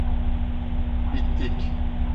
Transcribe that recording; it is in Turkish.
Bittik.